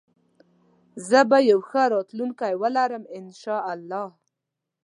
زه به يو ښه راتلونکي ولرم انشاالله